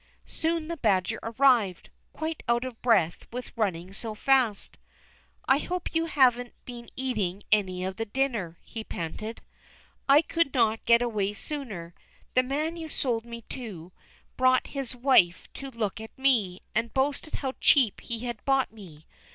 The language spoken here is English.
Soon the badger arrived, quite out of breath with running so fast. "I hope you haven't been eating any of the dinner," he panted. "I could not get away sooner. The man you sold me to, brought his wife to look at me, and boasted how cheap he had bought me.